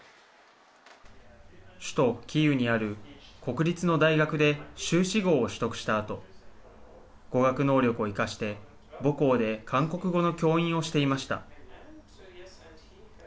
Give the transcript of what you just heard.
首都キーウにある国立の大学で修士号を取得したあと語学能力を生かして、母校で韓国語の教員をしていました。